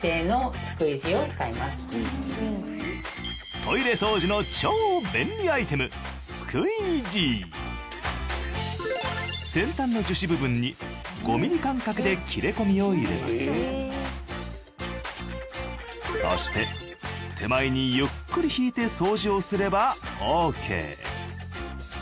トイレ掃除の超便利アイテムそして手前にゆっくり引いて掃除をすればオーケー。